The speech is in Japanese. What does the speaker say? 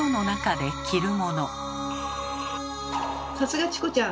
さすがチコちゃん！